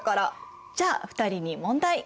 じゃあ２人に問題！